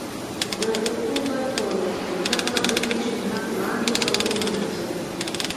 د اکتوبر په پنځمه بل پېشنهاد وړاندې او ومنل شو